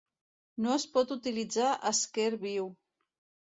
No es pot utilitzar esquer viu.